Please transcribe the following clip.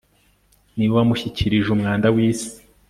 niwe wamushyikirije umwanda wisi